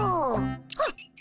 あっ！